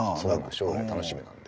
将来楽しみなんで。